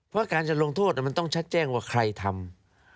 เพราะการจะลงโทษมันต้องชัดแจ้งว่าใครทำ